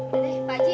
ya udah deh pak haji